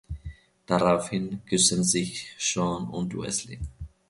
Daraufhin küssen sich Sean und Wesley.